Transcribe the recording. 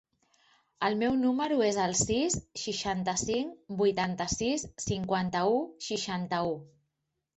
El meu número es el sis, seixanta-cinc, vuitanta-sis, cinquanta-u, seixanta-u.